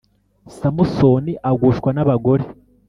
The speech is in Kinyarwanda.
Samusoni agushwa n abagore